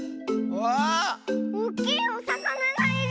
おっきいおさかながいる！